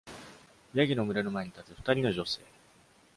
山羊の群れの前に立つ二人の女性。